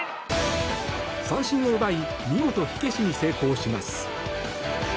三振を奪い見事火消しに成功します。